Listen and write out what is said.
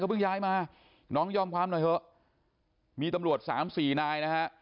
เพิ่งย้ายมาน้องยอมความหน่อยเถอะมีตำรวจสามสี่นายนะฮะ